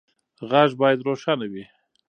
غږ باید روښانه وي.